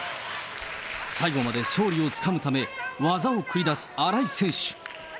最後まで勝利をつかむため、技を繰り出す新井選手。